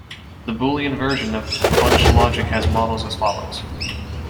The boolean version of bunched logic has models as follows.